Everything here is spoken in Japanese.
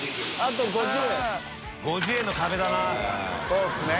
そうですね。